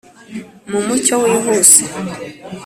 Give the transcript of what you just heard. mu mucyo wihuse